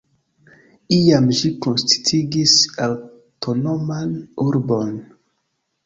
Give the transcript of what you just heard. Iam ĝi konsistigis aŭtonoman urbon.